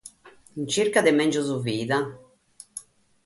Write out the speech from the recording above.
In chirca de mègius vida.